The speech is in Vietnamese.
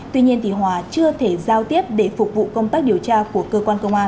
tuy nhiên hòa chưa thể giao tiếp để phục vụ công tác điều tra của cơ quan công an